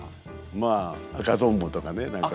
まあ「赤とんぼ」とかね何か。